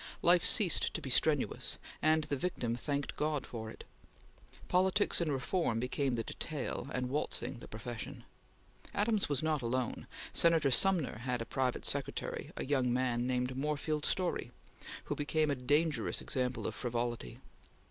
Life ceased to be strenuous, and the victim thanked God for it. Politics and reform became the detail, and waltzing the profession. Adams was not alone. Senator Sumner had as private secretary a young man named Moorfield Storey, who became a dangerous example of frivolity.